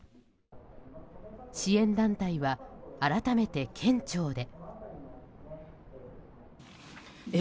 支援団体は改めて県庁で。